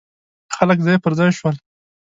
خلک ځای پر ځای شول.